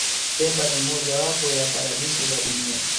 pemba ni moja wapo ya paradiso za dunia